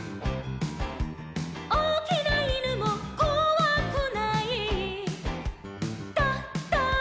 「おおきないぬもこわくない」「ドド」